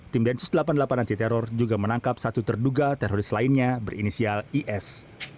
tim densus delapan puluh delapan anti teror juga menangkap satu terduga teroris lainnya berinisial is